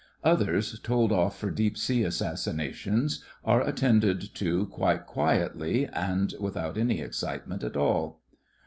Others, told oflF for deep sea assassinations, are at tended to quite quietly and without any excitement at all.